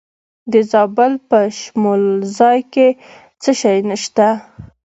د زابل په شمولزای کې څه شی شته؟